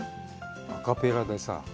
アカペラでさ。